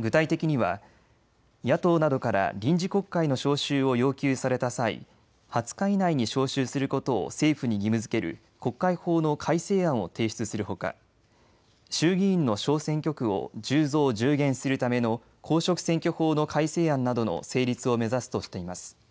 具体的には野党などから臨時国会の召集を要求された際、２０日以内に召集することを政府に義務づける国会法の改正案を提出するほか衆議院の小選挙区を１０増１０減するための公職選挙法の改正案などの成立を目指すとしています。